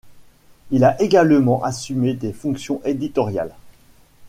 Il a également assumé des fonctions éditoriales.